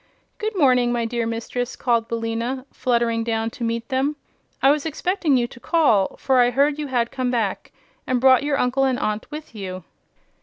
"Good morning, my dear Mistress," called Billina, fluttering down to meet them. "I was expecting you to call, for I heard you had come back and brought your uncle and aunt with you."